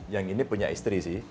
yang ini punya istri sih